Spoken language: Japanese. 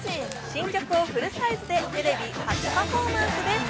新曲をフルサイズでテレビ初パフォーマンスです。